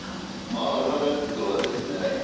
まあアルファベットはですね